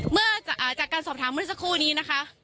เมื่อจากการสอบถามเมื่อสักครู่นี้นะคะ